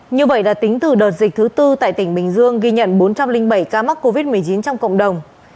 như vậy là tính từ đợt dịch thứ tư tại tỉnh bình dương ghi nhận bốn trăm linh bảy ca mắc covid một mươi chín trong cộng đồng